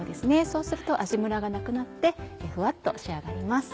そうすると味むらがなくなってふわっと仕上がります。